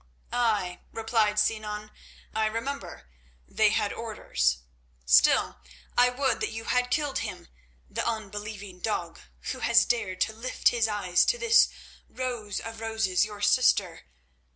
"Ay," replied Sinan, "I remember; they had orders. Still, I would that you had killed him, the unbelieving dog, who has dared to lift his eyes to this Rose of Roses, your sister.